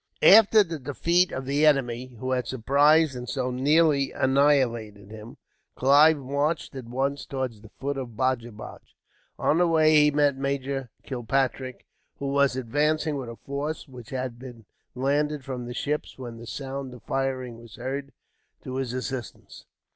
After the defeat of the enemy, who had surprised and so nearly annihilated him, Clive marched at once towards the fort of Baj baj. On the way he met Major Kilpatrick, who was advancing, with a force which had been landed from the ships when the sound of firing was heard, to his assistance.